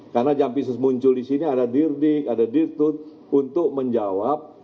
karena jampitsus muncul disini ada dirdik ada dirtud untuk menjawab